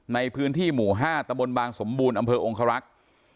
ในพื้นที่หมู่๕ตะบนบางสมบูรณ์อำเภอองครักษ์